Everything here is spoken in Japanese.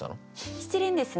失恋ですね